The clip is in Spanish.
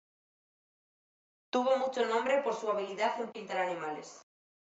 Tuvo mucho nombre por su habilidad en pintar animales.